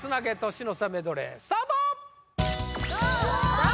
年の差メドレースタートわっさあ